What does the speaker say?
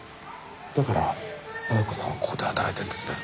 だから絢子さんはここで働いてるんですね。